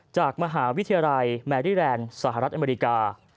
จากมหาวิทยาลัยแมรี่แลนด์สหรัฐอเมริกา